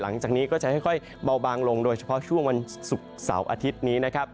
หลังจากนี้ก็จะค่อยเบาบางลงโดยเฉพาะช่วงวันศุกร์เสาร์อาทิตย์นี้นะครับ